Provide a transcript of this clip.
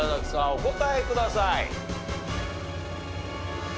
お答えください。